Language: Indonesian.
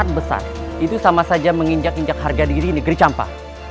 aku tidak terima pengkhianatan darmala seperti ini